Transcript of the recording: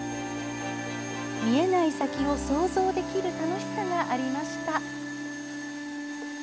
見えない先を想像できる楽しさがありました。